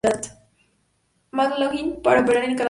McLaughlin para operar en Canadá.